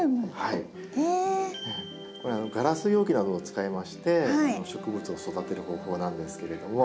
これガラス容器などを使いまして植物を育てる方法なんですけれども。